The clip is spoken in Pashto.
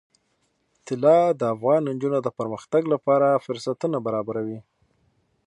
طلا د افغان نجونو د پرمختګ لپاره فرصتونه برابروي.